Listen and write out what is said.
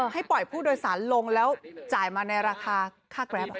ให้ปล่อยผู้โดยสารลงแล้วจ่ายมาในราคาค่าแกรป